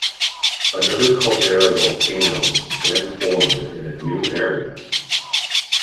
Another caldera volcano then formed in a new area.